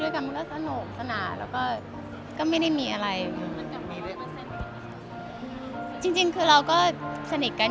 ก็สนุกสนุกสนากมากค่ะ